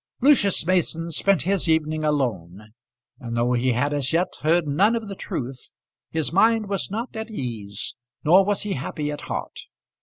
Lucius Mason spent his evening alone; and though he had as yet heard none of the truth, his mind was not at ease, nor was he happy at heart.